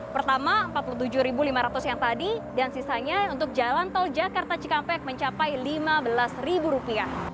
pertama rp empat puluh tujuh lima ratus yang tadi dan sisanya untuk jalan tol jakarta cikampek mencapai rp lima belas